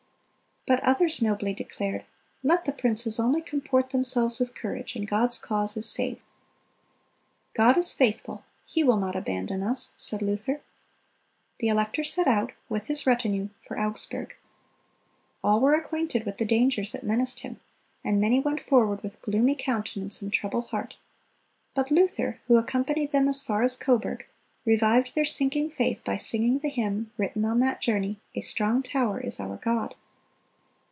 But others nobly declared, "Let the princes only comport themselves with courage, and God's cause is saved." "God is faithful; He will not abandon us,"(300) said Luther. The elector set out, with his retinue, for Augsburg. All were acquainted with the dangers that menaced him, and many went forward with gloomy countenance and troubled heart. But Luther, who accompanied them as far as Coburg, revived their sinking faith by singing the hymn, written on that journey, "A strong tower is our God."